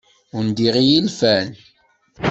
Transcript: Undiɣ i yilfan.